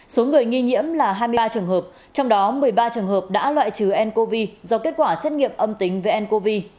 số người nghi nhiễm là hai mươi ba trường hợp trong đó một mươi ba trường hợp đã loại trừ ncov do kết quả xét nghiệm âm tính với ncov